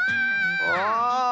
ああ！